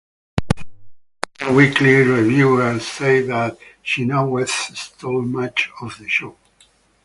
The "Entertainment Weekly" reviewer said that "Chenoweth stole much of the show".